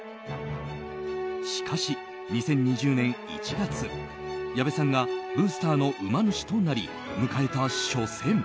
しかし、２０２０年１月矢部さんがブースターの馬主となり迎えた初戦。